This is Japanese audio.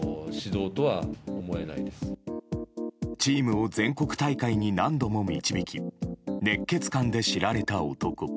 チームを全国大会に何度も導き熱血漢で知られた男。